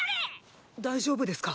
大丈夫ですか？